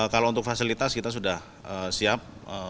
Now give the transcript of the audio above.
kalau untuk fasilitas kita sudah siap